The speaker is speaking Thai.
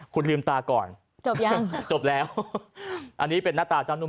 คุณลืมตาก่อน